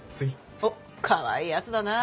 おっかわいいやつだな。